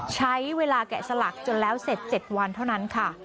ใช้เวลาแกะสลักจนแล้วเสร็จ๗วันเท่านั้นค่ะ